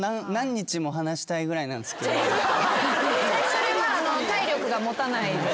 それは体力が持たないです。